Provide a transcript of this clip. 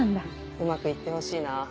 うまくいってほしいな。